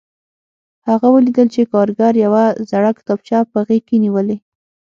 هغه ولیدل چې کارګر یوه زړه کتابچه په غېږ کې نیولې